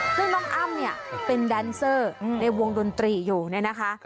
ซึ่งน้องอ้ำเนี่ยเป็นแดนเซอร์ในวงดนตรีอยู่เนี่ยนะคะ